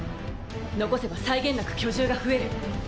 残せば際限なく巨獣が増える。